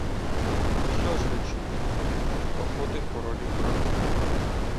— Що ж речуть? — підохотив королів брат.